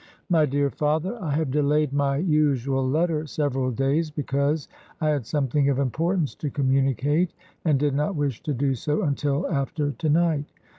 '' My dear Father :" I have delayed my usual letter several days because I had something of importance to communicate and did not wish to do so until after to night.